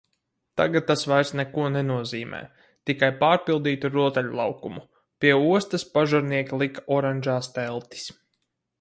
Tagad tas vairs neko nenozīmē. Tikai pārpildītu rotaļlaukumu. Pie ostas pažarnieki lika oranžās teltis.